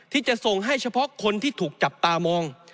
ที่จะส่งให้เฉพาะคนที่ถูกจับตามอง